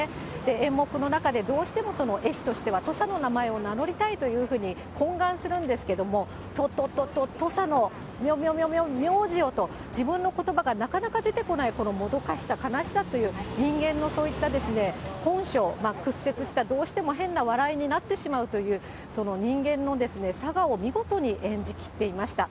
演目の中で、どうしても絵師としては土佐の名前を名乗りたいというふうに懇願するんですけれども、と、と、と、と、土佐のみょ、みょ、みょ、みょ名字をと、自分のことばがなかなか出てこない、このもどかしさ、悲しさという、人間のそういった本性、屈折したどうしても変な笑いになってしまうという、その人間のさがを見事に演じきっていました。